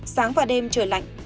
sáng và đêm trời lạnh